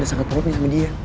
sangat teruknya sama dia